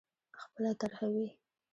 خپله طرح وي.